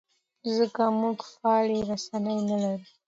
ځکه موږ فعالې رسنۍ نه لرو.